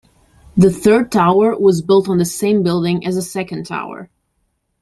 The third tower was built on the same building as the second tower.